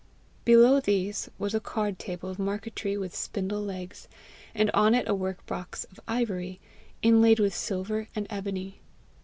Below these was a card table of marquetry with spindle legs, and on it a work box of ivory, inlaid with silver and ebony.